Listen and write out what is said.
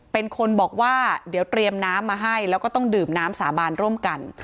เป็นคนบอกว่าเดี๋ยวเตรียมน้ำมาให้แล้วก็ต้องดื่มน้ำสาบานร่วมกัน